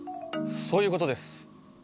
そういうことです！